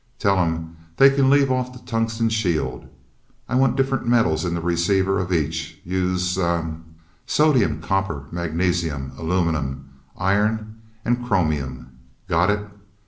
Tell 'em they can leave off the tungsten shield. I want different metals in the receiver of each. Use hmmm sodium copper magnesium aluminium, iron and chromium. Got it?"